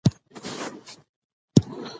ما اداره کوله چې ځینې مهم کارونه ترسره کړم.